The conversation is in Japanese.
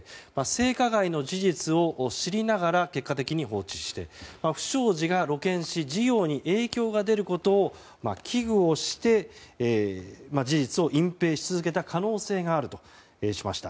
性加害の事実を知りながら結果的に放置して不祥事が露見し事業に影響が出ることを危惧をして事実を隠蔽し続けた可能性があるとしました。